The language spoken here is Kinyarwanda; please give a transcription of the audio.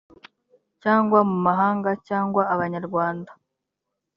cyangwa mu mahanga cyangwa abanyarwanda